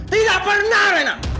tidak pernah reyna